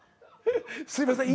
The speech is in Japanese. すいません。